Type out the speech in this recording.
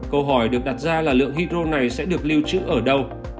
câu hỏi được đặt ra là lượng hydro này sẽ được lưu trữ ở đâu